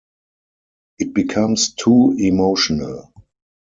It becomes too emotional.